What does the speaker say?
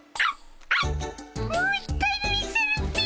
もう一回見せるっピ。